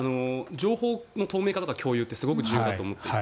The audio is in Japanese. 情報の透明化とか共有ってすごく重要だと思っていて。